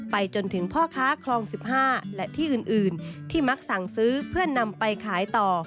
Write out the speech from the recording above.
จนถึงพ่อค้าคลอง๑๕และที่อื่นที่มักสั่งซื้อเพื่อนำไปขายต่อ